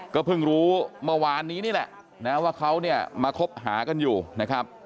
ก็เพิ่งรู้เมื่อวานนี้นี่แหละนะว่าเขาเนี่ยมาคบหากันอยู่นะครับ